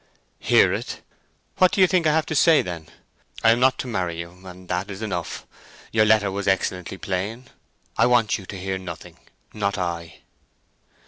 "Hear it? What do you think I have to say, then? I am not to marry you, and that's enough. Your letter was excellently plain. I want you to hear nothing—not I."